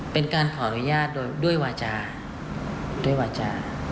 เป็นการขออนุญาตด้วยวาจา